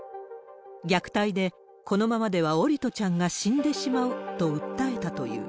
虐待でこのままでは桜利斗ちゃんが死んでしまうと訴えたという。